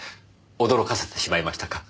驚かせてしまいましたか？